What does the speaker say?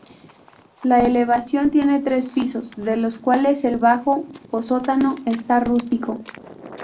La elevación tiene tres pisos, de los cuales el bajo o sótano está rústico.